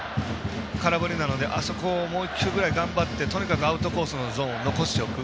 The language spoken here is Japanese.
空振りなので、あそこをもう１球ぐらい頑張ってとにかくアウトコースのゾーンを残しておく。